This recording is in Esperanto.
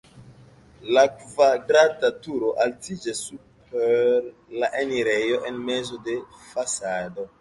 La kvadrata turo altiĝas super la enirejo en mezo de la fasado.